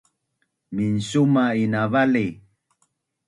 Minsuma’in na vali!